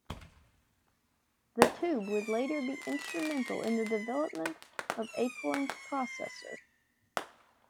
The Tube would later be instrumental in the development of Acorn's processor.